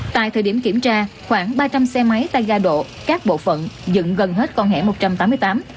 tại thời điểm kiểm tra khoảng ba trăm linh xe máy tay ga độ các bộ phận dựng gần hết con hẻ một trăm tám mươi tám